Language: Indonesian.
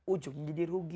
ujungnya jadi rugi